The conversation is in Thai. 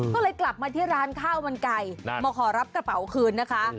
ก็เลยกลับมาที่ร้านข้าวมันไก่มาขอรับกระเป๋าคืนนะคะ